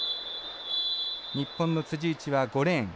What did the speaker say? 日本の辻内は５レーン。